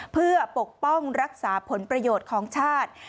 เพื่อปกป้องรักษาผลประโยชน์ของชาติ